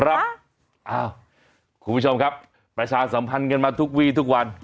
คุณผู้ชมครับประชาสัมพันธ์กันมาทุกวีทุกวัน